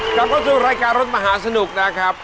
กลับเข้าสู่รายการรถมหาสนุกนะครับ